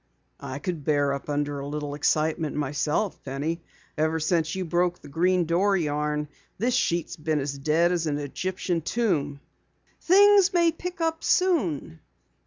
"I could bear up under a little excitement myself, Penny. Ever since you broke the Green Door yarn, this sheet has been as dead as an Egyptian tomb." "Things may pick up soon."